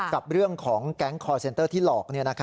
กับเรื่องของแก๊งคอร์เซ็นเตอร์ที่หลอก